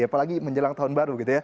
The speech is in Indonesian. apalagi menjelang tahun baru